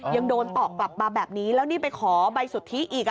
ยังโดนตอบกลับมาแบบนี้แล้วนี่ไปขอใบสุทธิอีก